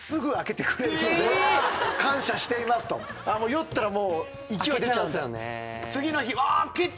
酔ったら勢い出ちゃうんだ。